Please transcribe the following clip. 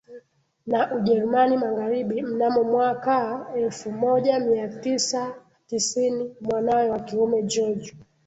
na Ujerumani Magharibi mnamo mwkaa elfu moja mia tisa tisiniMwanawe wa kiume George